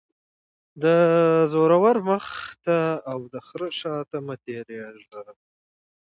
- د زورور مخ ته او دخره شاته مه تیریږه.